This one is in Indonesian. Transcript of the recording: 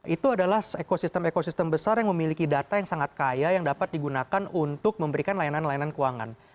itu adalah ekosistem ekosistem besar yang memiliki data yang sangat kaya yang dapat digunakan untuk memberikan layanan layanan keuangan